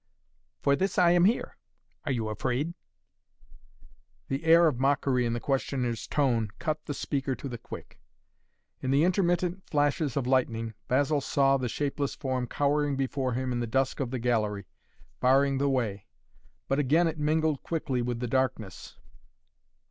"For this I am here! Are you afraid?" The air of mockery in the questioner's tone cut the speaker to the quick. In the intermittent flashes of lightning Basil saw the shapeless form cowering before him in the dusk of the gallery, barring the way. But again it mingled quickly with the darkness.